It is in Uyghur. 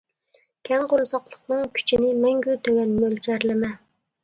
كەڭ قورساقلىقنىڭ كۈچىنى مەڭگۈ تۆۋەن مۆلچەرلىمە.